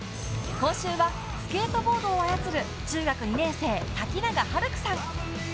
今週はスケートボードを操る中学２年生、瀧永遥句さん。